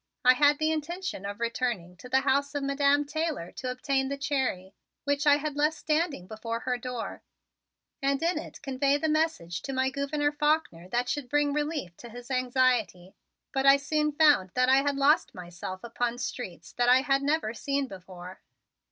I had the intention of returning to the house of Madam Taylor to obtain the Cherry, which I had left standing before her door, and in it convey the message to my Gouverneur Faulkner that should bring relief to his anxiety, but I soon found that I had lost myself upon streets that I had never seen before.